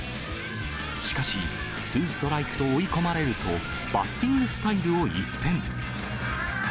しかし、ツーストライクと追い込まれると、バッティングスタイルを一変。